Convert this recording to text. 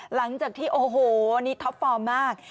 หลังจากที่โอ้โหนี่ท็อปฟอร์มมาก